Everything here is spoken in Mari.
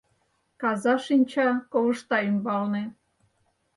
Каза шинча ковышта ӱмбалне